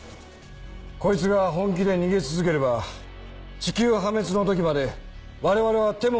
こいつが本気で逃げ続ければ地球破滅の時まで我々は手も足も出せない